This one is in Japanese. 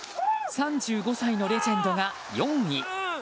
３５歳のレジェンドが４位。